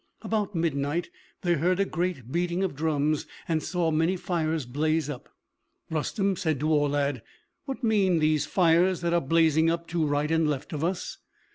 About midnight they heard a great beating of drums, and saw many fires blaze up. Rustem said to Aulad, "What mean these fires that are blazing up to right and left of us?"